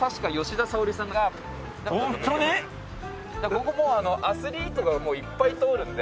ここもうアスリートがいっぱい通るんで。